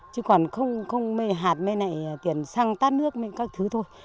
chứ còn không hạt mấy này tiền xăng tắt nước mấy cái thứ thôi